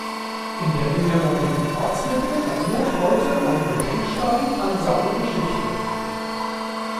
In der ehemaligen Ortsmitte erinnert heute ein Gedenkstein an seine Geschichte.